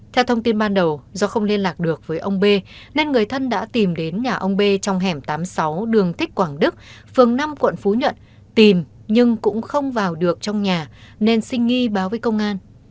theo thông tin ban đầu do không liên lạc được với ông b nên người thân đã tìm đến nhà ông b trong hẻm tám mươi sáu đường thích quảng đức phường năm quận phú nhuận tìm nhưng cũng không vào được trong nhà nên sinh nghi báo với công an